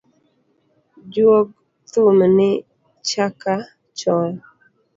Juog thum ni chaka chon.